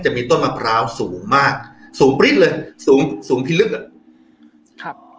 จะมีต้นมะพร้าวสูงมากสูงปริ้นเลยสูงสูงที่ลึกอ่ะครับ